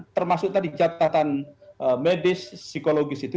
termasuk tadi catatan medis psikologis itu